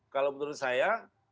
kalau menurut saya